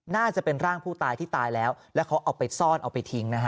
น่าจะเป็นร่างผู้ตายที่ตายแล้วแล้วเขาเอาไปซ่อนเอาไปทิ้งนะฮะ